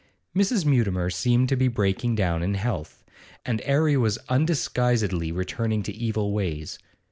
Mrs. Mutimer seemed to be breaking down in health, and 'Arry was undisguisedly returning to evil ways.